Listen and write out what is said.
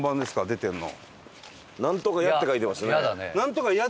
出てるの。